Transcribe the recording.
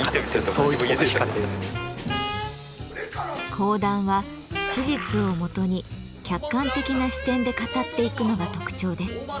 講談は史実を基に客観的な視点で語っていくのが特徴です。